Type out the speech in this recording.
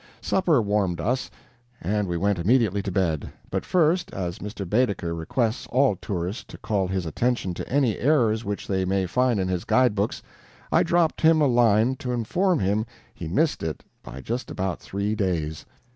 Supper warmed us, and we went immediately to bed but first, as Mr. Baedeker requests all tourists to call his attention to any errors which they may find in his guide books, I dropped him a line to inform him he missed it by just about three days.